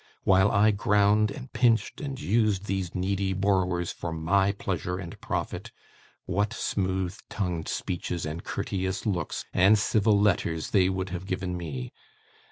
While I ground, and pinched, and used these needy borrowers for my pleasure and profit, what smooth tongued speeches, and courteous looks, and civil letters, they would have given me!